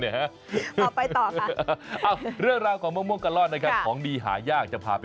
ไม่แต่เจ้ามะม่วงกัลล่อนเนี่ยมันหาทานยาก